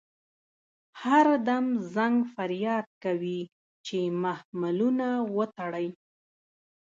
هر دم زنګ فریاد کوي چې محملونه وتړئ.